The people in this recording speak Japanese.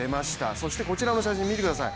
そしてこちらの写真見てください。